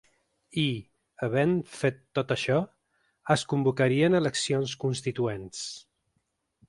I, havent fet tot això, es convocarien eleccions constituents.